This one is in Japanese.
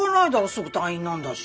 すぐ退院なんだし。